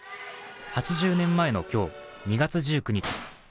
８０年前の今日、２月１９日